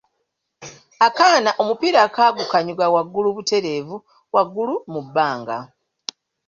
Akaana omupiira kagukanyuka waggulu butereevu waggulu mu bbanga.